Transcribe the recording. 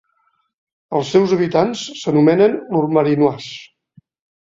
Els seus habitants s'anomenen "Lourmarinois".